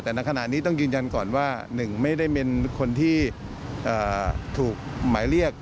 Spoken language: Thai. แต่ในขณะนี้ต้องยืนยันก่อนว่า๑ไม่ได้เป็นคนที่ถูกหมายเรียก